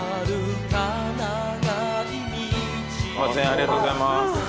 ありがとうございます。